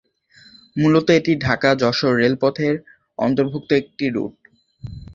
মূলত এটি ঢাকা-যশোর রেলপথ-এর অন্তর্ভুক্ত একটি রুট।